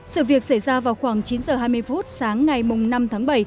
sự việc xảy ra vào khoảng chín h hai mươi phút sáng ngày năm tháng bảy